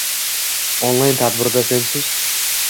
Onlayn tadbirda Census